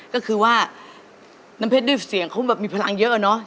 ก็คือว่าน้ำเพชรด้วยเสียงเขาแบบมีพลังเยอะอะเนาะ